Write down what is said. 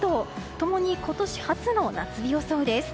共に今年初の夏日予想です。